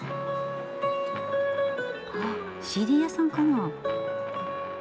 あっＣＤ屋さんかな。